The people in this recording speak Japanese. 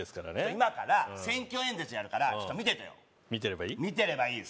今から選挙演説やるからちょっと見ててよ見てればいい？